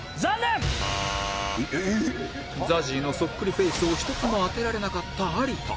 ＺＡＺＹ のそっくりフェイスを１つも当てられなかった有田